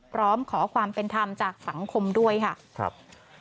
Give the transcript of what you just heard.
พร้อมขอความเป็นธรรมจากสังคมด้วยค่ะครับ